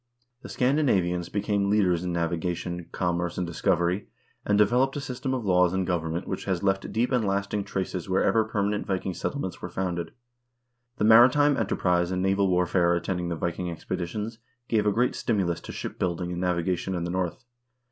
The Scandinavians became leaders in navigation, commerce, and discovery, and developed a system of laws and government which has left deep and lasting traces wherever permanent Viking settle ments were founded. The maritime enterprise and naval warfare attending the Viking expeditions gave a great stimulus to ship building and navigation in the North.